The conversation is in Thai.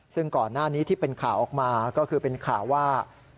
ซึ่งก่อนหน้านี้ที่เป็นข่าวออกมาก็คือเป็นข่าวว่า